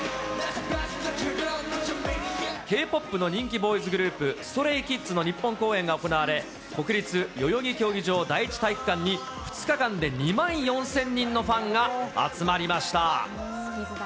Ｋ−ＰＯＰの人気ボーイズグループ、ストレイキッズの日本公演が行われ、国立代々木競技場第一体育館に、２日間で２万４０００人のファンが集まりました。